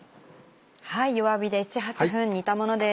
弱火で７８分煮たものです。